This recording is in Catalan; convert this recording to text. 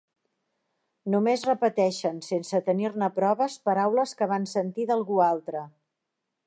Només repeteixen, sense tenir-ne proves, paraules que van sentir d'algú altre.